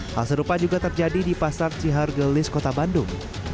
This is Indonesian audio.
hal serupa juga terjadi di pasar cihargelis kota bandung